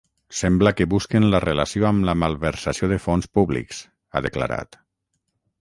Sembla que busquen la relació amb la malversació de fons públics, ha declarat.